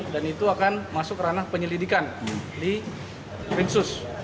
dan itu akan masuk ranah penyelidikan di rinsus